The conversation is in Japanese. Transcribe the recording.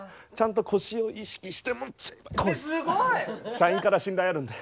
社員から信頼あるんで。